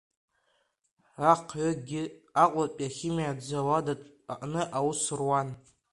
Ахҩыкгьы Аҟәатәи ахимиатә зауад аҟны аус руан.